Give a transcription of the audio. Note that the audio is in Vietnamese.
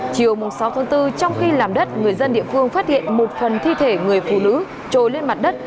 chiều sáu tháng bốn trong khi làm đất người dân địa phương phát hiện một phần thi thể người phụ nữ trồi lên mặt đất